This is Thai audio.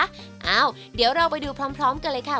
ก็เลยเริ่มต้นจากเป็นคนรักเส้น